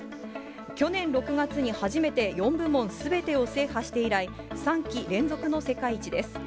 去年６月に初めて４部門すべてを制覇して以来、３期連続の世界一です。